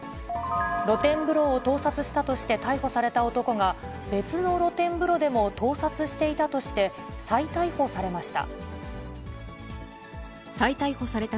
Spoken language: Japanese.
露天風呂を盗撮したとして逮捕された男が、別の露天風呂でも盗撮していたとして、再逮捕されました。